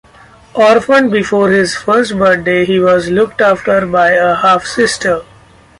Orphaned before his first birthday, he was looked after by a half-sister.